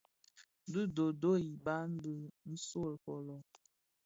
Dhi doodoo yi biban bin nso fōlō.